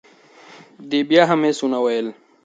دې بیا هم هیڅ ونه ویل.